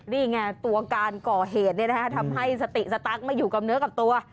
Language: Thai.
นี่ไงตัวการก่อเหตุทำให้สติสตั๊กไม่อยู่กับเนื้อกับตัว